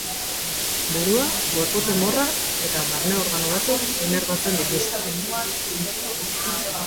Burua, gorputz enborra eta barne organo batzuk inerbatzen dituzte.